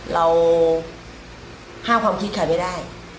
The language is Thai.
เราห้ามความคิดใครไม่ได้